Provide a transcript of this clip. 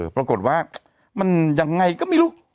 ปรากฏว่ามันยังไงก็ไม่รู้